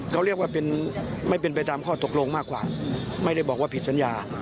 เขาเรียกว่าไม่เป็นไปตามข้อตกลงมากกว่าไม่ได้บอกว่าผิดสัญญา